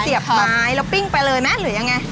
ไม้แล้วปิ้งไปเลยไหมหรือยังไง